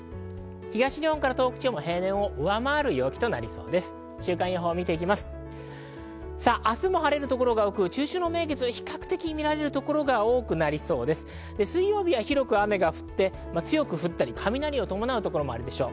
東日本から東北地方も平均を上回る陽気となるでしょう。